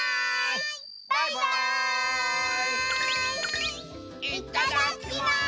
いただきます！